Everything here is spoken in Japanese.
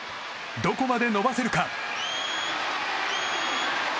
どこまで伸ばせるか？